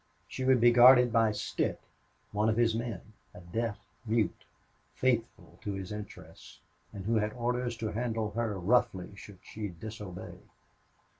She would be guarded by Stitt, one of his men, a deaf mute, faithful to his interests, and who had orders to handle her roughly should she disobey.